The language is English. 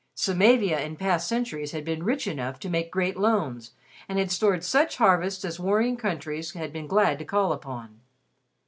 Samavia in past centuries had been rich enough to make great loans, and had stored such harvests as warring countries had been glad to call upon.